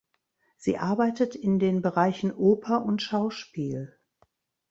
Sie arbeitet in den Bereichen Oper und Schauspiel.